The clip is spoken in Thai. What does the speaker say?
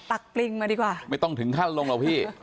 ตลิงมาดีกว่าไม่ต้องถึงขั้นลงหรอกพี่